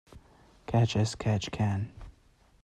Catch as catch can.